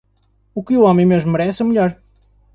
O que o homem mesmo merece é o melhor.